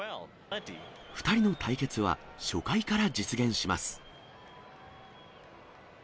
２人の対決は初回から実現します。